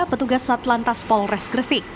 petugas satlantas polres gersik